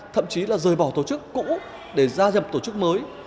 thậm chí là rời bỏ tổ chức cũ để ra dập tổ chức mới